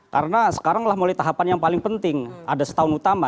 karena sekarang lah mulai tahapan yang paling penting ada setahun utama